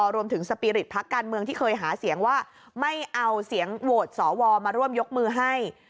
สปีริตพักการเมืองที่เคยหาเสียงว่าไม่เอาเสียงโหวตสวมาร่วมยกมือให้